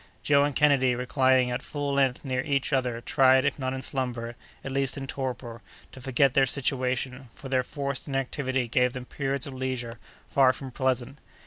Joe and Kennedy, reclining at full length near each other, tried, if not in slumber, at least in torpor, to forget their situation, for their forced inactivity gave them periods of leisure far from pleasant.